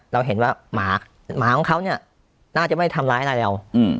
เราเห็นว่าหมาของเขาเนี่ยน่าจะไม่ทำร้ายอะไรเรา